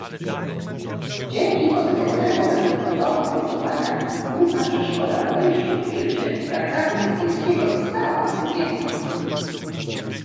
Dzięki pozytywnemu rezultatowi głosowania główna przeszkoda w wejściu w życie traktatu lizbońskiego została usunięta